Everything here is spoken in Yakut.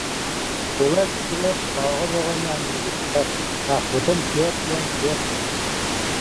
Тула өттүгэр тоһоҕо бөҕөнү анньыбыттар, аахпытым түөрт уон түөрт этэ